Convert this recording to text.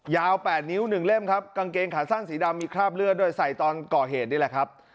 ยาว๘นิ้ว๑เล่มครับกางเกงขาสั้นสีดำมีคราบเลือดด้วยใส่ตอนก่อเหตุนี่แหละครับ